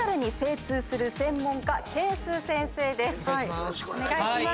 よろしくお願いします。